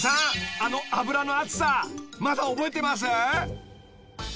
あの油の熱さまだ覚えてます？］